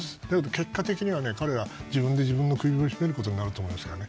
だけど、結果的には彼ら自分で自分の首を絞めることになると思います。